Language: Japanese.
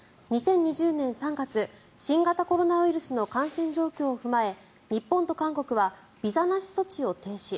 ２０２０年３月新型コロナウイルスの感染状況を踏まえ日本と韓国はビザなし措置を停止。